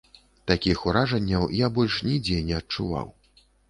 Такіх уражанняў я больш нідзе не адчуваў.